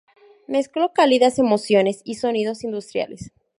Mezcló cálidas emociones y sonidos industriales.